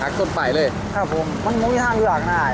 ฮักส้มไปเลยครับผมมันมุมที่ท่านเลือกได้